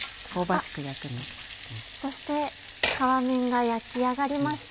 そして皮目が焼き上がりました。